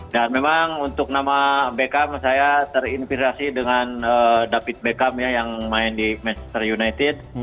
dan memang untuk nama bekam saya terinfirasi dengan david bekam yang main di manchester united